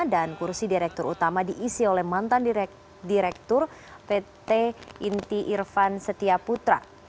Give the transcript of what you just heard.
dan kursi direktur utama diisi oleh mantan direktur pt inti irfan setia putra